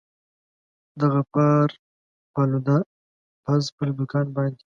د غفار پالوده پز پر دوکان باندي.